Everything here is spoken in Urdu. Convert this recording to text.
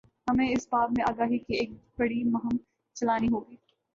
ہمیں اس باب میں آگاہی کی ایک بڑی مہم چلانا ہو گی۔